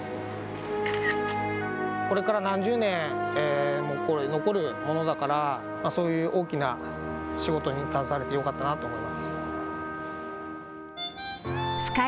これからも何十年も残るものだから、そういう大きな仕事に携われてよかったなって思います。